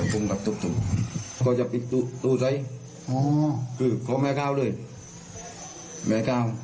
ผมแบบตุ๊บตุ๊บก็จะปิดตู้ใสอ๋อคือเขาไม่ข้าวเลยไม่ข้าว